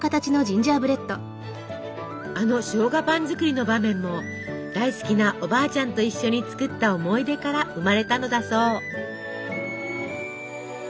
あのしょうがパン作りの場面も大好きなおばあちゃんと一緒に作った思い出から生まれたのだそう。